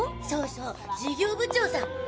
そうそう事業部長さん。